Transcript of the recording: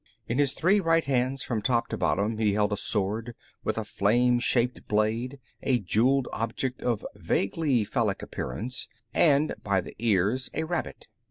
In his three right hands, from top to bottom, he held a sword with a flame shaped blade, a jeweled object of vaguely phallic appearance, and, by the ears, a rabbit.